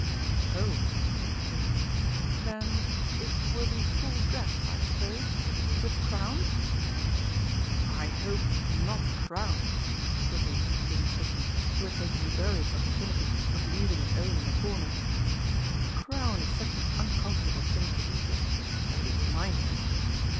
"Oh," said the Queen. "Then it will be full dress, I suppose with crowns?" "I hope not crowns," put in King Sidney, who had taken the earliest opportunity of leaving his own in a corner. "A crown is such an uncomfortable thing to eat in. At least mine is."